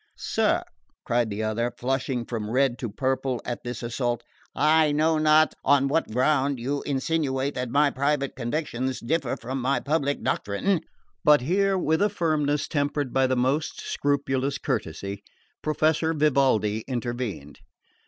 "Sir," cried the other, flushing from red to purple at this assault, "I know not on what ground you insinuate that my private convictions differ from my public doctrine " But here, with a firmness tempered by the most scrupulous courtesy, Professor Vivaldi intervened.